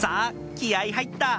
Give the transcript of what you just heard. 気合入った！